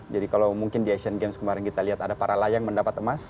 jadi kalau mungkin di asian games kemarin kita lihat ada para layang mendapat emas